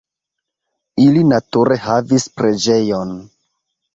Ili nature havis preĝejon.